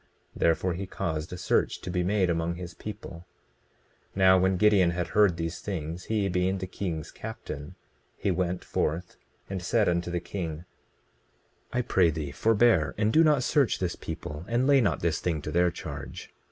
Therefore he caused a search to be made among his people. 20:17 Now when Gideon had heard these things, he being the king's captain, he went forth and said unto the king: I pray thee forbear, and do not search this people, and lay not this thing to their charge.